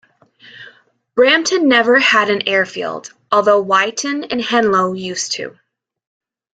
Brampton never had an airfield, although Wyton and Henlow used to.